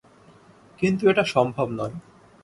কিন্তু এটা সম্ভব নয়।